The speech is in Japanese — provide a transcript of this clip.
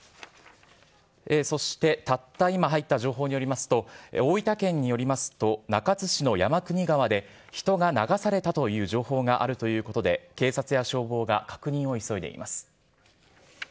そしてたった今入った情報によりますと、大分県によりますと、中津市の山国川で、人が流されたという情報があるということで、警察や消防が確認を急いでいます。